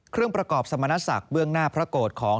เครื่องประกอบสมณศักดิ์เบื้องหน้าพระโกรธของ